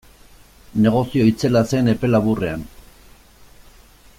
Negozio itzela zen epe laburrean.